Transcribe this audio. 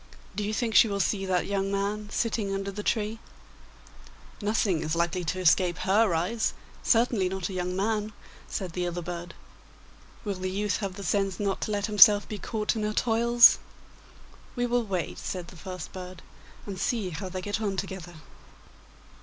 Do you think she will see that young man sitting under the tree?' 'Nothing is likely to escape her eyes, certainly not a young man, said the other bird. 'Will the youth have the sense not to let himself be caught in her toils?' 'We will wait,' said the first bird, 'and see how they get on together.